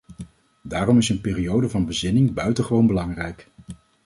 Daarom is een periode van bezinning buitengewoon belangrijk.